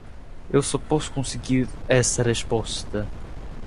Eu só posso conseguir essa resposta